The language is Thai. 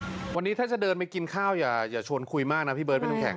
วันนี้ถ้าจะเดินไปกินข้าวอย่าชวนคุยมากนะพี่เบิร์พี่น้ำแข